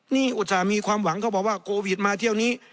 นี่อุตส่าห์มีความหวังเขาบอกว่าโควิดมาเที่ยวนี้